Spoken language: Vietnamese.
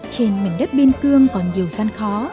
trên mảnh đất biên cương còn nhiều gian khó